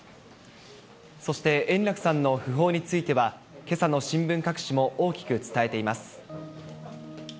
そして円楽さんの訃報については、けさの新聞各紙も大きく伝えています。